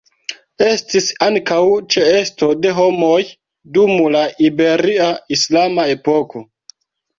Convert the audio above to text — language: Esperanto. Estis ankaŭ ĉeesto de homoj dum la Iberia islama epoko.